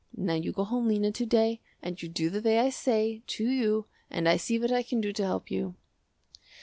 Now you go home Lena to day and you do the way I say, to you, and I see what I can do to help you."